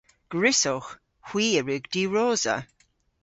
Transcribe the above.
Gwrussowgh. Hwi a wrug diwrosa.